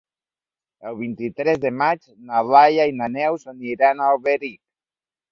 El vint-i-tres de maig na Laia i na Neus aniran a Alberic.